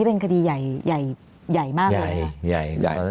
เป็นคาดีใหญ่มากใช่ไหม